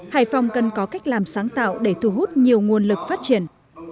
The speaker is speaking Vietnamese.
hải phòng cần có cách làm sáng tạo để thu hút nhiều nguồn lực phát triển